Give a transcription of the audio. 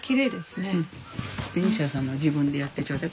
ベニシアさんも自分でやってちょうだい。